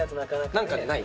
何かない？